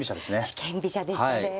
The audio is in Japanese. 四間飛車でしたね。